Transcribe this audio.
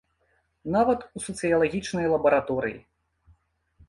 Нават у сацыялагічнай лабараторыі.